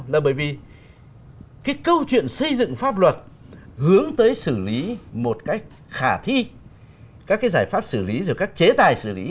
là bởi vì cái câu chuyện xây dựng pháp luật hướng tới xử lý một cách khả thi các cái giải pháp xử lý rồi các chế tài xử lý